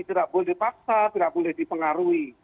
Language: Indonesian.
tidak boleh dipaksa tidak boleh dipengaruhi